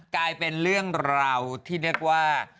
กลายเป็นเรื่องเราที่นึกว่า